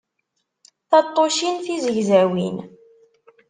Taṭṭucin tizegzawin.